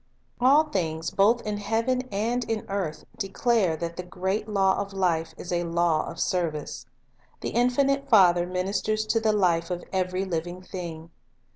Unity of Law All things both in heaven and in earth declare that the great law of life is a law of service. The infinite Father ministers to the life of every living thing.